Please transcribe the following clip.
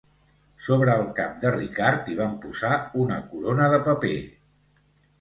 Sobre el cap de Ricard hi van posar una corona de paper.